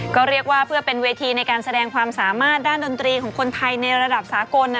ก็เรียกว่าเพื่อเป็นเวทีในการแสดงความสามารถด้านดนตรีของคนไทยในระดับสากล